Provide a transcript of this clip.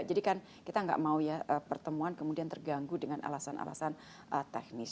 kan kita nggak mau ya pertemuan kemudian terganggu dengan alasan alasan teknis